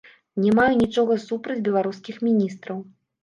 Не маю нічога супраць беларускіх міністраў.